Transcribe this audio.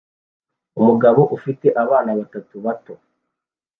Umugore ufite abana batatu bato